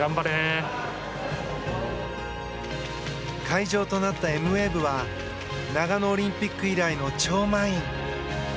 会場となったエムウェーブは長野オリンピック以来の超満員。